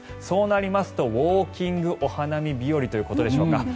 そうなりますとウォーキングお花見日和でしょうか。